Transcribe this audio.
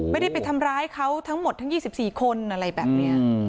ไม่ได้ไปทำร้ายเขาทั้งหมดทั้ง๒๔คนอะไรแบบนี้